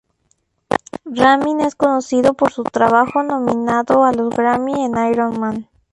Ramin es conocido por su trabajo nominado a los Grammy en Iron Man.